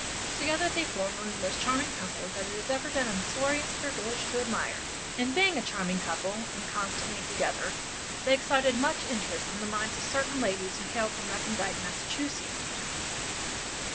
Together they formed one of the most charming couples that it has ever been the historian's privilege to admire. And being a charming couple, and constantly together, they excited much interest in the minds of certain ladies who hailed from recondite Massachusettsian regions.